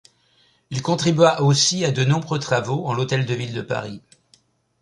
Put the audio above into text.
Il contribua aussi à de nombreux travaux en l'Hôtel de Ville de Paris.